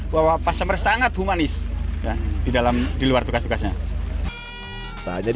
bahwa pas pampres sangat humanis di luar tugas tugasnya